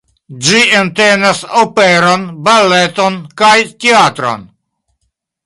Ĝi entenas operon, baleton kaj teatron.